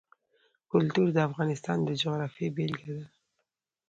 کلتور د افغانستان د جغرافیې بېلګه ده.